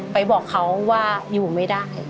ไปบอกเขาว่าอยู่ไม่ได้